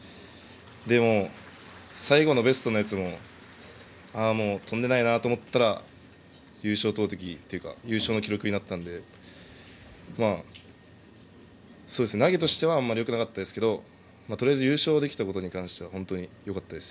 でも、最後のベストのやつも飛んでないなと思ったら優勝投てきというか優勝の記録になったので投げとしてはあまりよくなかったですがとりあえず優勝できたことに関しては本当によかったです。